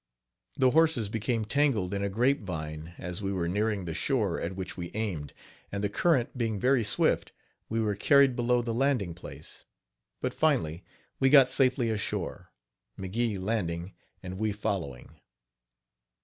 The horses became tangled in a grape vine, as we were nearing the shore at which we aimed, and, the current being very swift, we were carried below the landing place; but, finally, we got safely ashore, McGee landing, and we following.